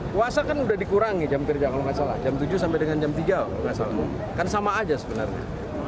kuasa kan sudah dikurangi jam tujuh sampai jam tiga kan sama saja sebenarnya